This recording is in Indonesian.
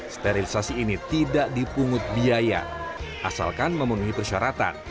sterilisasi ini tidak dipungut biaya asalkan memenuhi persyaratan